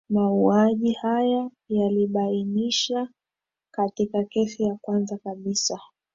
mauaji haya yalibainisha katika kesi ya kwanza kabisa